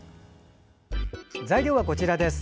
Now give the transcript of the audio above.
材料はこちらです。